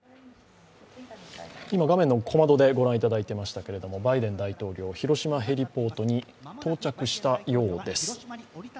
画面の小窓でご覧いただいていましたけれどもバイデン大統領、広島ヘリポートに到着したようです。